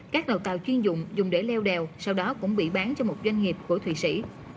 các đầu tàu chuyên dụng dùng để leo đèo sau đó cũng bị bán cho một doanh nghiệp của thụy sĩ